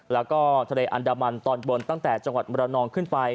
แล้วก็ทะเลอันดามันตอนบนตั้งแต่จังหวัดมรนองขึ้นไป